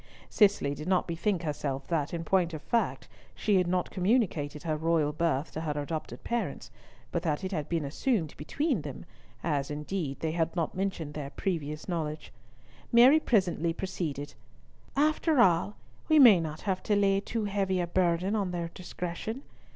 Cicely did not bethink herself that, in point of fact, she had not communicated her royal birth to her adopted parents, but that it had been assumed between them, as, indeed, they had not mentioned their previous knowledge. Mary presently proceeded—"After all, we may not have to lay too heavy a burden on their discretion.